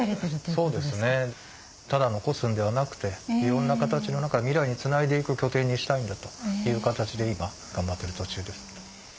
ただ残すんではなくていろんな形の中未来につないで行く拠点にしたいんだという形で今頑張ってる途中です。